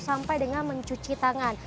sampai dengan mencuci tangan